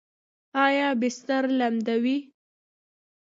ایا بستر لمدوي؟